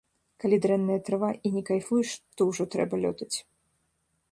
Калі дрэнная трава і не кайфуеш, то ўжо трэба лётаць.